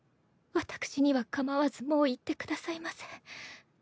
私には構わずもう行ってくださいませ。